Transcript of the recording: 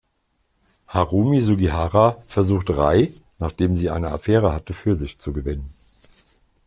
Harumi Sugihara versucht Rei, nachdem sie eine Affäre hatte, für sich zu gewinnen.